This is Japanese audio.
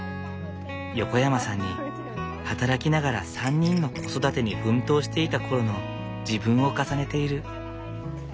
横山さんに働きながら３人の子育てに奮闘していた頃の自分を重ねている。